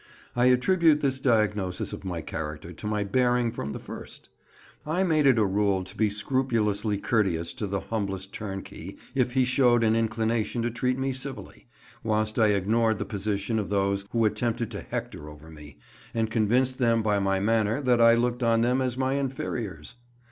I attribute this diagnosis of my character to my bearing from the first. I made it a rule to be scrupulously courteous to the humblest turnkey if he showed an inclination to treat me civilly, whilst I ignored the position of those who attempted to hector over me, and convinced them by my manner that I looked on them as my inferiors.